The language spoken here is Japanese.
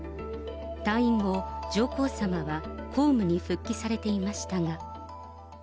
退院後、上皇さまは公務に復帰されていましたが。